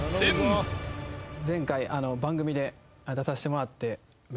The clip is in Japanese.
番組出させてもらって。